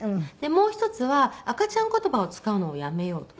もう１つは赤ちゃん言葉を使うのをやめようと。